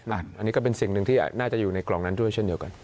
อันนี้ก็เป็นสิ่งหนึ่งที่น่าจะอยู่ในกล่องนั้นด้วยเช่นเดียวกัน